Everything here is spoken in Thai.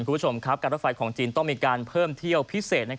คุณผู้ชมครับการรถไฟของจีนต้องมีการเพิ่มเที่ยวพิเศษ